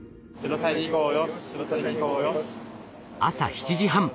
朝７時半